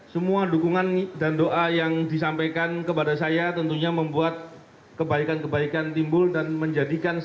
semua dukungan dan doa yang disampaikan kepada saya tentunya membuat kebaikan kebaikan di sini